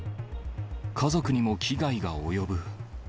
家族にも危害が及ぶ。